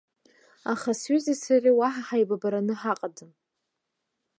Аха сҩызеи сареи уаҳа ҳаибабараны ҳаҟаӡам!